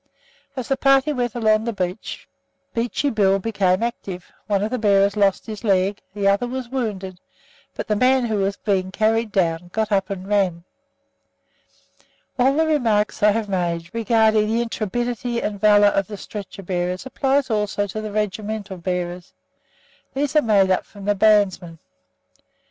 As the party went along the beach, Beachy Bill became active; one of the bearers lost his leg, the other was wounded, but the man who was being carried down got up and ran! All the remarks I have made regarding the intrepidity and valour of the stretcher bearers apply also to the regimental bearers. These are made up from the bandsmen.